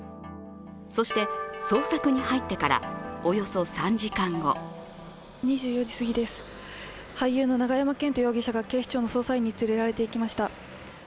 そして、捜索に入ってからおよそ３時間後２４時すぎです、俳優の永山絢斗容疑者が警視庁の捜査員に連れられていきました。